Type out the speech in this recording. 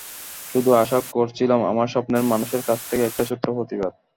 শুধু আশা করছিলাম আমার স্বপ্নের মানুষের কাছ থেকে একটা ছোট্ট প্রতিবাদ।